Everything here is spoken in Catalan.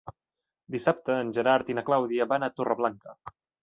Dissabte en Gerard i na Clàudia van a Torreblanca.